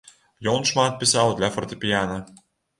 Ён шмат пісаў для фартэпіяна.